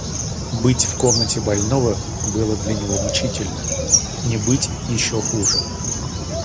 Быть в комнате больного было для него мучительно, не быть еще хуже.